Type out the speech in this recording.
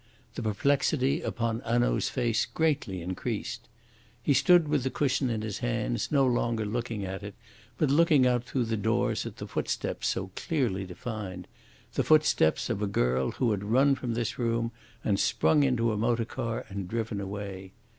The perplexity upon Hanaud's face greatly increased. He stood with the cushion in his hands, no longer looking at it, but looking out through the doors at the footsteps so clearly defined the foot steps of a girl who had run from this room and sprung into a motor car and driven away.